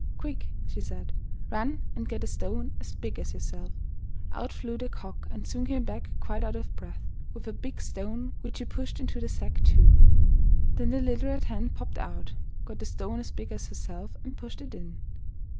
''Quick," she said, "run and get a stone as big as yourself." Out flew the Cock, and soon came back quite out of breath, with a big stone, which he pushed into the sack too. Then the little Red Hen popped out, got a stone as big as herself, and pushed it in.